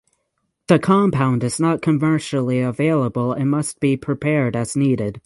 The compound is not commercially available and must be prepared as needed.